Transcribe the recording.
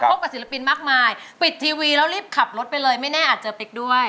กับศิลปินมากมายปิดทีวีแล้วรีบขับรถไปเลยไม่แน่อาจเจอปิ๊กด้วย